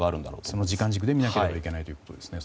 その時間軸で見ないといけないということですね。